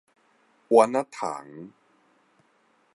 丸仔蟲